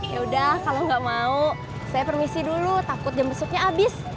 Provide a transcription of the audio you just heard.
yaudah kalau gak mau saya permisi dulu takut jam besoknya habis